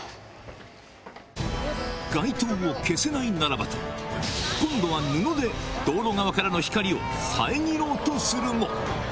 街灯を消せないならばと、今度は布で道路側からの光を遮ろうとするも。